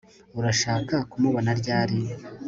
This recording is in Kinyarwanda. urashaka kumubona ryari